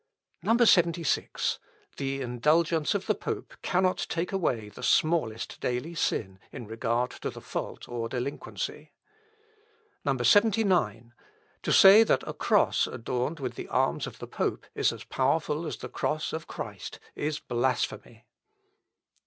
76. "The indulgence of the pope cannot take away the smallest daily sin, in regard to the fault or delinquency. 79. "To say that a cross adorned with the arms of the pope is as powerful as the cross of Christ is blasphemy.